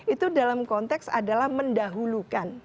itu dalam konteks adalah mendahulukan